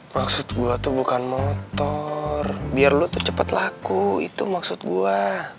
maksud gua tuh bukan motor biar lo tuh cepet laku itu maksud gua